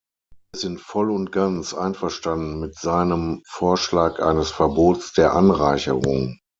Wir sind voll und ganz einverstanden mit seinem Vorschlag eines Verbots der Anreicherung.